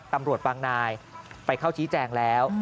ตำรวจบางนายไปเข้าชี้แจงแล้ว